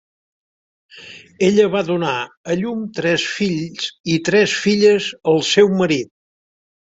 Ella va donar a llum tres fills i tres filles al seu marit.